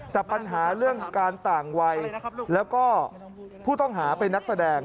แต่ปัญหาเรื่องการต่างวัยแล้วก็ผู้ต้องหาเป็นนักแสดง